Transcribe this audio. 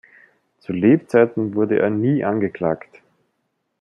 Zu Lebzeiten wurde er nie angeklagt.